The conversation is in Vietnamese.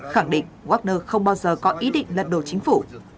khẳng định wagner không bao giờ có ý định lật đổ chính phủ